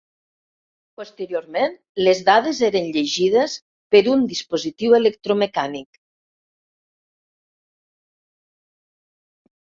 Posteriorment, les dades eren llegides per un dispositiu electromecànic.